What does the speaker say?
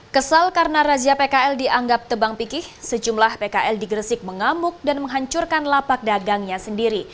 kesal karena razia pkl dianggap tebang pikih sejumlah pkl di gresik mengamuk dan menghancurkan lapak dagangnya sendiri